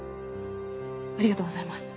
ありがとうございます。